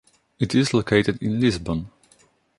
It is located in Lisbon.